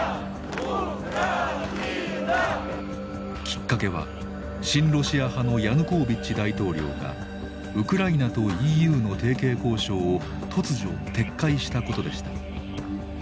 きっかけは親ロシア派のヤヌコービッチ大統領がウクライナとＥＵの提携交渉を突如撤回したことでした。